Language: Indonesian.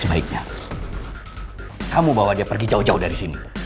sebaiknya kamu bawa dia pergi jauh jauh dari sini